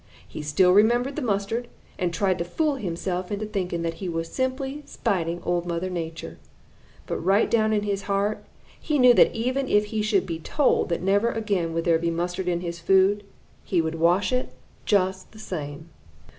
He still remembered the mustard and tried to fool himself into thinking that he was simply spiting Old Mother Nature, but right down in his heart he knew that even if he should be told that never again would there be mustard in his food, he would wash it just the same.